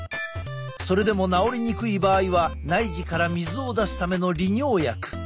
それでも治りにくい場合は内耳から水を出すための利尿薬。